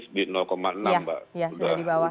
sudah di bawah